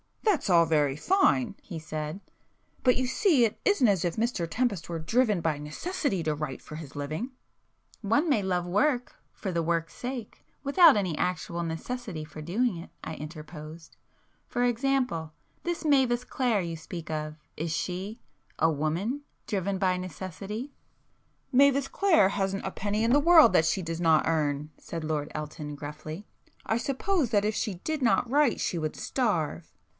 "That's all very fine," he said—"But you see it isn't as if Mr Tempest were driven by necessity to write for his living"— "One may love work for the work's sake without any actual necessity for doing it,"—I interposed—"For example,—this Mavis Clare you speak of,—is she,—a woman,—driven by necessity?" "Mavis Clare hasn't a penny in the world that she does not earn,"—said Lord Elton gruffly—"I suppose that if she did not write she would starve."